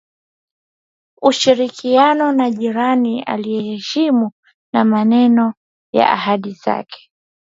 ushirikiano na jirani aiyeheshimu maneno na ahadi zake